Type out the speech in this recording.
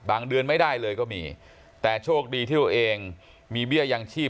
เดือนไม่ได้เลยก็มีแต่โชคดีที่ตัวเองมีเบี้ยยังชีพ